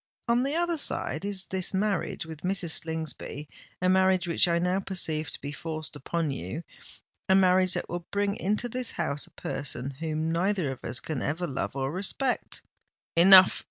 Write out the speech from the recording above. On the other side, is this marriage with Mrs. Slingsby—a marriage which I now perceive to be forced upon you—a marriage that will bring into this house a person whom neither of us can ever love or respect!" "Enough!